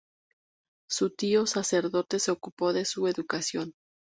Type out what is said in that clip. Su tío sacerdote se ocupó de su educación.